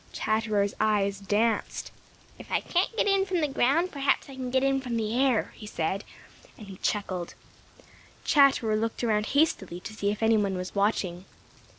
Chatterer's eyes danced. "If I can't get in from the ground, perhaps I can get in from the air," said he and chuckled. Chatterer looked around hastily to see if any one was watching.